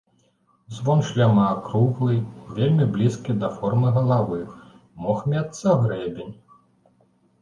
Звон шлема акруглы, вельмі блізкі да формы галавы, мог мецца грэбень.